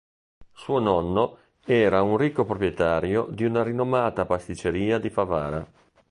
Suo nonno era un ricco proprietario di una rinomata pasticceria di Favara.